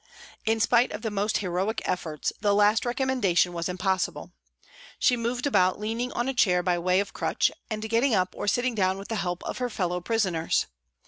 In spite of the most heroic efforts, the last recommendation was impossible. She moved about leaning on a chair by way of crutch and getting up or sitting down with the help of her fellow prisoners.